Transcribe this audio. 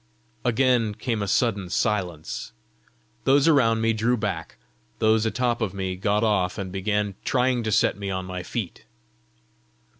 Again came a sudden silence. Those around me drew back; those atop of me got off and began trying to set me on my feet.